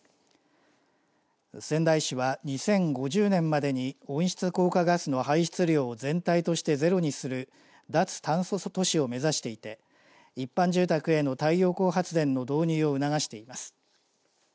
仙台市は２０５０年までに温室効果ガスの排出量を全体としてゼロにする脱炭素都市を目指していて一般住宅への太陽光発電の導入を促しています。